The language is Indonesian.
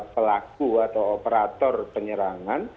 pelaku atau operator penyerangan